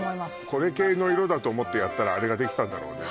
これ系の色だと思ってやったらあれができたんだろうね